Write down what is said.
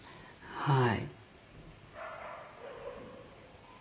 はい。